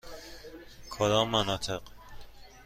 کدام مناطق؟